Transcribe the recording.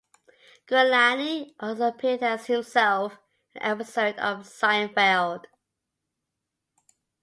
Giuliani also appeared as himself in an episode of Seinfeld.